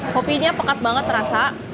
kopinya pekat banget rasa